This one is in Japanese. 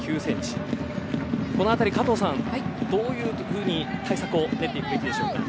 この辺り、加藤さんどういうふうに対策を練っていくべきでしょうか。